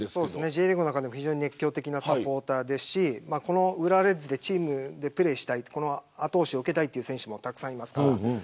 Ｊリーグの中でも非常に熱狂的なサポーターですし浦和レッズというチームでプレーしたい後押しを受けたいという選手もたくさんいます。